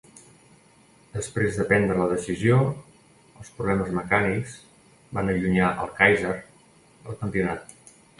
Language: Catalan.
Després de prendre la decisió, els problemes mecànics van allunyar el Kàiser del campionat.